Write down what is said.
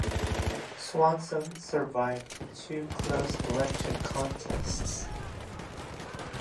Swanson survived two close election contests.